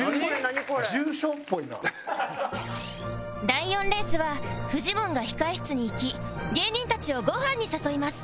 第４レースはフジモンが控室に行き芸人たちをごはんに誘います